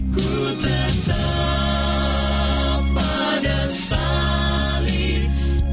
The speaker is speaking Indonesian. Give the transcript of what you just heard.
kau tetap pada salib